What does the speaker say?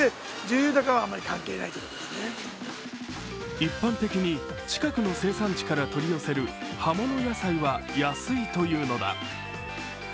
一般的に近くの生産地から取り寄せる葉物野菜は安いというのだ。